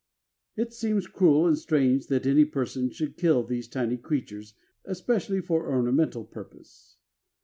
It seems cruel and strange that any person should kill these tiny creatures especially for ornamental purpose.